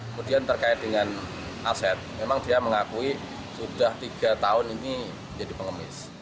kemudian terkait dengan aset memang dia mengakui sudah tiga tahun ini menjadi pengemis